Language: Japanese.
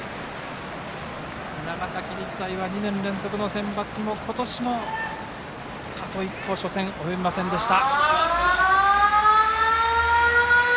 長崎日大は２年連続のセンバツの今年もあと一歩初戦及びませんでした。